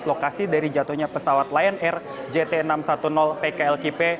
lokasi dari jatuhnya pesawat lion air jt enam ratus sepuluh pklkp